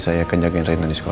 seperti apa ibu mereka